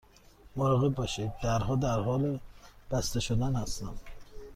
مراقب باشید، درها در حال بسته شدن هستند.